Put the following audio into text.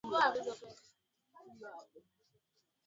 Habari za mwezi mwaka elfumoja mianane tisini Nina nne